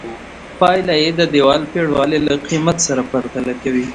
پایله یې د دیوال پرېړوالي له قېمت سره پرتله کړئ.